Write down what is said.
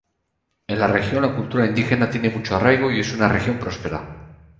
En la región la cultura indígena tiene mucho arraigo y es una región próspera.